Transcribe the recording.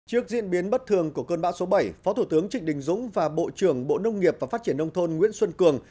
trước diễn biến bất thường của cơn bão số bảy phó thủ tướng trịnh đình dũng và bộ trưởng bộ nông nghiệp và phát triển nông thôn nguyễn xuân cường